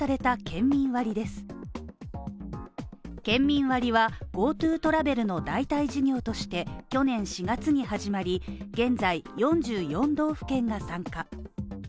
県民割はＧｏＴｏトラベルの代替事業として去年４月に始まり、現在４４道府県が参加。